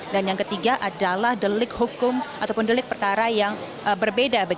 dan yang ketiga adalah delik hukum ataupun delik perkara yang berbeda